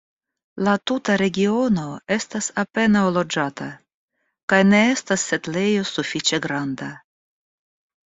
La tuta regiono estas apenaŭ loĝata kaj ne estas setlejo sufiĉe granda.